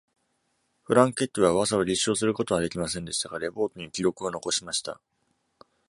フランケッティは噂を立証することはできませんでしたが、レポートに記録を残しました。